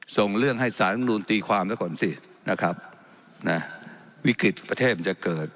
ส่งเรื่องให้สารรัฐมนุนตีความซะก่อนสินะครับนะวิกฤตประเทศมันจะเกิด